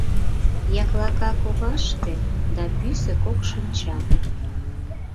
Яклака коваште да пӱсӧ кок шинча.